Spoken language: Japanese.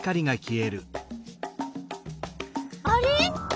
あれ？